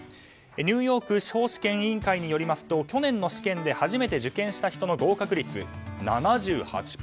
ニューヨーク司法試験委員会によりますと去年の試験で初めて受験した人の合格率７８％と。